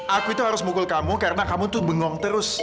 aku itu harus mukul kamu karena kamu tuh bengong terus